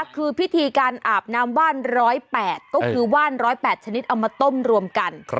คือพิธีการอาบน้ำว่าน๑๐๘ก็คือว่าน๑๐๘ชนิดเอามาต้มรวมกัน